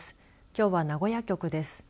きょうは名古屋局です。